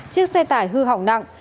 chiếc xe tải hư hỏng nặng